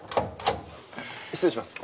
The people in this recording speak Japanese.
失礼します。